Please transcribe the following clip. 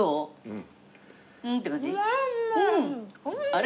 あれ？